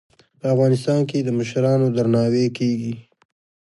په افغانستان کې د مشرانو درناوی کیږي.